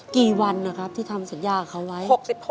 กี่วันนะครับที่ทำสัญญากับเขาไว้